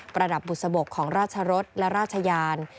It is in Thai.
ระดับบุษบกของราชรสและราชยาน